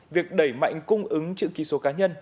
việc đẩy mạnh cung ứng chữ ký số cá nhân